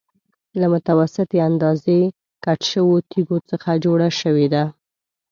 له متوسطې اندازې کټ شویو تېږو څخه جوړه شوې ده.